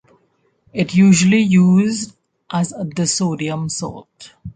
It usually used as a disodium salt.